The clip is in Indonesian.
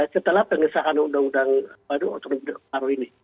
setelah pengesahan undang undang baru